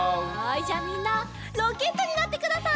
じゃあみんなロケットになってください。